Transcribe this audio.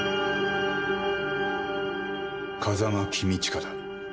風間公親だ。